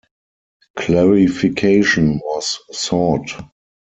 Clarification was sought.